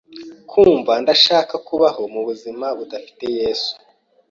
nkumva ndashaka kubaho mu buzima budafite Yesu